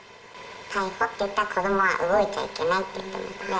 逮捕って言ったら、子どもは動いちゃいけないって言ってましたね。